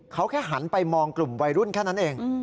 เขาแค่หันไปมองกลุ่มวัยรุ่นแค่นั้นเอง